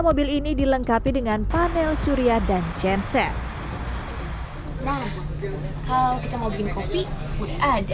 mobil ini dilengkapi dengan panel surya dan genset nah kalau kita mau bikin kopi udah ada